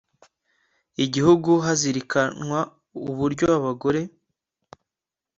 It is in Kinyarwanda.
igihugu hazirikanwa uburyo abagore